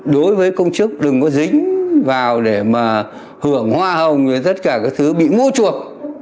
đối với công chức đừng có dính vào để mà hưởng hoa hồng và tất cả các thứ bị mũ chuộc